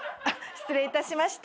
失礼いたしました。